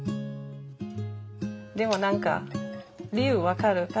でも何か理由分かる。